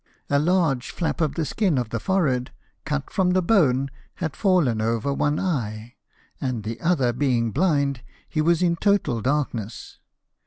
A large flap of the skin of the forehead, cut from the bone, had fallen over one eye, and, the other being blind, he was in total darkness.